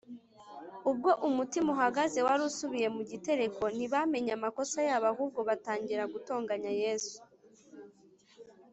. Ubwo umutima uhagaze wari usubiye mu gitereko, ntibamenye amakosa yabo, ahubwo batangira gutonganya Yesu.